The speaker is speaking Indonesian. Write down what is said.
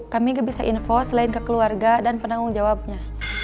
kami bisa info selain ke keluarga dan penanggung jawabnya